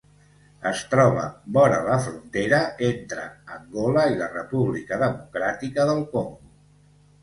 Es troba vora la frontera entre Angola i la República Democràtica del Congo.